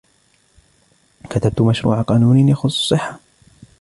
كتبت مشروع قانون يخص الصحة